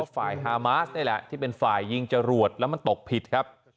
ฮามาสนี่แหละที่เป็นฝ่ายยิงจรวดแล้วมันตกผิดครับ